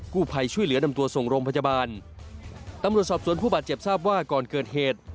ผู้ภัยช่วยเหลือนำตัวส่งโรงพยาบาลตำรวจสอบสวนผู้บาดเจ็บทราบว่าก่อนเกิดเหตุ